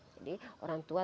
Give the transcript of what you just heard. jadi orang tua